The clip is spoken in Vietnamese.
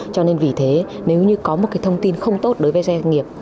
cho nên vì thế nếu như có một thông tin không tốt đối với doanh nghiệp